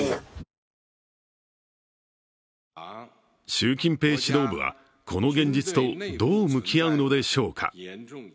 習近平指導部はこの現実とどう向き合うのでしょうか。